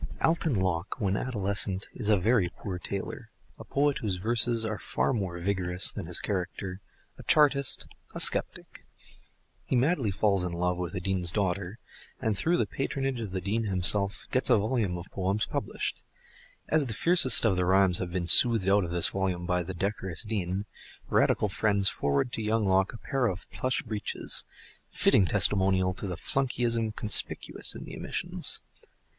Alton Locke, when adolescent, is a very poor tailor, a poet whose verses are far more vigorous than his character, a chartist, a sceptic. He madly falls in love with a Dean's daughter, and through the patronage of the Dean himself, gets a volume of poems published. As the fiercest of the rhymes have been soothed out of this volume by the decorous Dean, Radical friends forward to young Locke a pair of plush breeches—fitting testimonial to the flunkeyism conspicuous in the omissions.